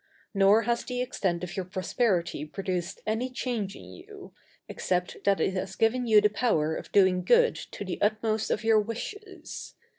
Nor has the extent of your prosperity produced any change in you, except that it has given you the power of doing good to the utmost of your wishes.